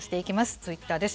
ツイッターです。